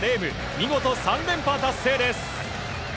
見事、３連覇達成です。